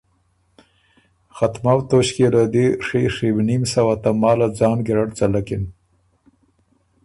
ختمؤ توݭکيې له دی ڒی ڒیونیم سوه تماله ځان ګیرډ څلکِن۔